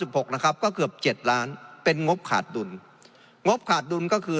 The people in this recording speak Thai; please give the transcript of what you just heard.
หกนะครับก็เกือบเจ็ดล้านเป็นงบขาดดุลงบขาดดุลก็คือ